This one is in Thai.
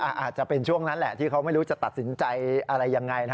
อาจจะเป็นช่วงนั้นแหละที่เขาไม่รู้จะตัดสินใจอะไรยังไง